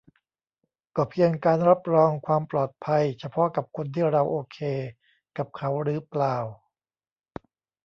ก็เพียงการรับรองความปลอดภัยเฉพาะกับคนที่เราโอเคกับเขาหรือเปล่า